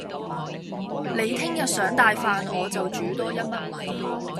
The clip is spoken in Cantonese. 你聽日想帶飯我就煮多一嘜米